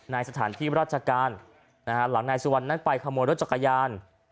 สถานที่ราชการนะฮะหลังนายสุวรรณนั้นไปขโมยรถจักรยาน